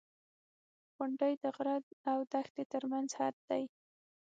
• غونډۍ د غره او دښتې ترمنځ حد دی.